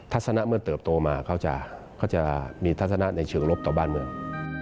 ลักษณะเมื่อเติบโตมาเขาจะมีทัศนะในเชิงลบต่อบ้านเมือง